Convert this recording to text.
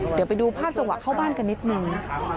เดี๋ยวไปดูภาพจังหวะเข้าบ้านกันนิดนึงนะ